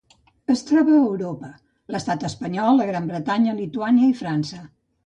Es troba a Europa: l'Estat espanyol, la Gran Bretanya, Lituània i França.